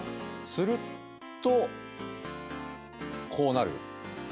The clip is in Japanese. するとこうなる。